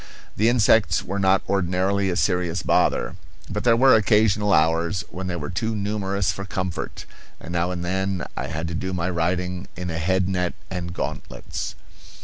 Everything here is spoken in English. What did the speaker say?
The insects were not ordinarily a serious bother, but there were occasional hours when they were too numerous for comfort, and now and then I had to do my writing in a head net and gauntlets.